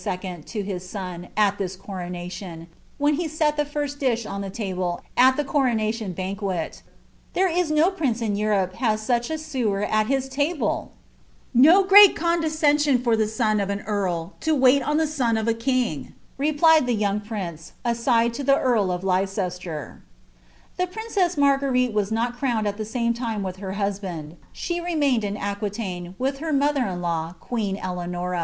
lo his son, at this coronalioDt ■then be set the first dish on the table, at the coronation banquet; ''then is DO prince in Europe has such a sewer* at his table V ''So tivM coDdesceneion fur the eod of an earl to wait on i of X iting," rrplied the young prince, aside to the earl of Leicesle Ths princrss Marguerite was not crowned at the same time with her hoabvia ;* she remained in Aquitaine, with her mother in law, queen □raaon.